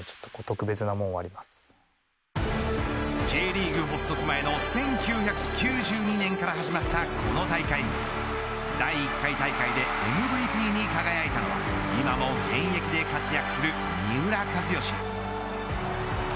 Ｊリーグ発足前の１９９２年から始まったこの大会第１回大会でＭＶＰに輝いたのは今も現役で活躍する三浦知良。